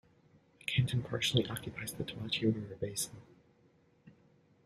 The canton partially occupies the Toachi river basin.